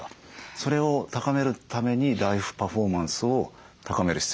それを高めるためにライフパフォーマンスを高める必要があると。